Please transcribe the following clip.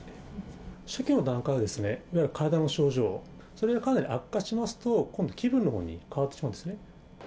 初期の段階は体の症状、それがかなり悪化しますと、今度、気分のほうに変わってしまうんですね。